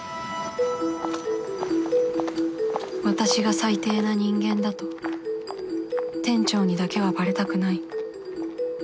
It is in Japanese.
私が最低な人間だと店長にだけはバレたくない